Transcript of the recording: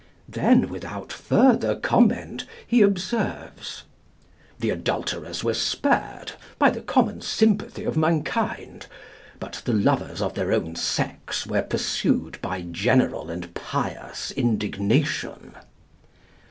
" Then, without further comment, he observes: "The adulterers were spared by the common sympathy of mankind; but the lovers of their own sex were pursued by general and pious indignation."